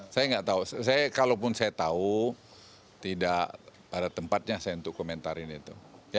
saya nggak tahu saya kalau pun saya tahu tidak ada tempatnya saya untuk komentarin itu